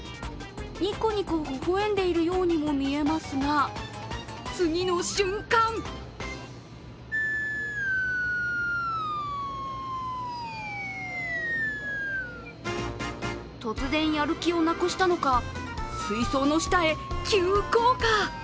ニコニコほほえんでいるようにも見えますが次の瞬間突然やる気をなくしたのか、水槽の下へ急降下。